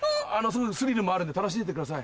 スリルもあるんで楽しんでいってください。